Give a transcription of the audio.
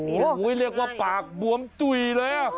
โอ้โหเรียกว่าปากบวมจุ๋ยเลย